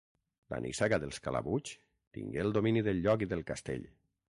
La nissaga dels Calabuig tingué el domini del lloc i del castell.